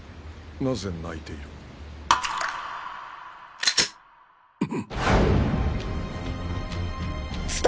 なぜ泣いている務